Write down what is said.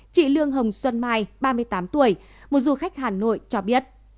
chị lương hồng xuân mai ba mươi tám tuổi một du khách hà nội cho biết